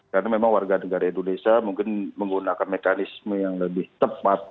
karena memang warga negara indonesia mungkin menggunakan mekanisme yang lebih tepat